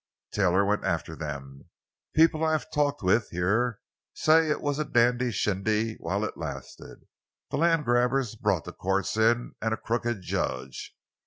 "Taylor went after them. People I've talked with here say it was a dandy shindy while it lasted. The land grabbers brought the courts in, and a crooked judge.